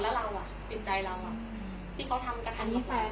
แล้วจริงใจเราที่เขาทำกระทำก็เปล่า